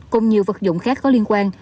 cùng nhiều vật dụng khác có liên quan